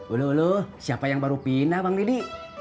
ulu ulu siapa yang baru pindah bang didi